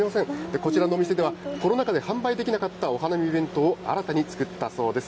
こちらではコロナ禍で販売できなかったお花見弁当を新たに作ったそうです。